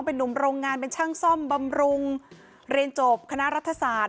เป็นนุ่มโรงงานเป็นช่างซ่อมบำรุงเรียนจบคณะรัฐศาสตร์